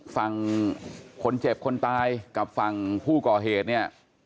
ฝั่งคนเจ็บคนตายกับฝั่งผู้ก่อเหตุเนี่ย